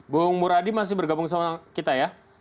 bu muradi masih bergabung sama kita ya